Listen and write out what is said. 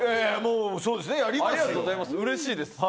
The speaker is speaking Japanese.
うれしいです。